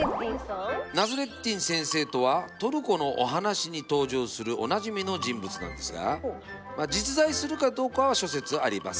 ナスレッディン先生とはトルコのお話に登場するおなじみの人物なんですが実在するかどうかは諸説あります。